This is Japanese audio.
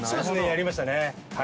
やりましたね。